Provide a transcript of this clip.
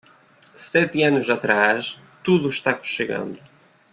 Sete anos atrás, tudo está chegando.